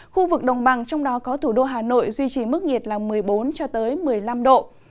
khu vực đồng bằng trong đó có thủ đô hà nội duy trì mức nhiệt là một mươi bốn cho tới một mươi năm độ